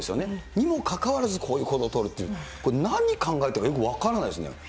にもかかわらず、こういう行動を取るという、何考えてるかよく分からないですね。